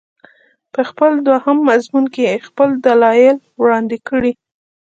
په خپل دوهم مضمون کې یې خپل دلایل وړاندې کړي.